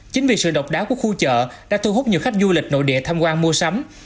chính vì sự độc đáo của khu chợ đã thu hút nhiều khách du lịch nội địa tham quan mua sắm